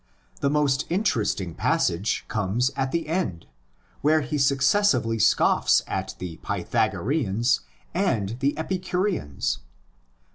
The most interesting passage comes at the end, where he successively scoffs at the Pythagoreans and the Epicureans.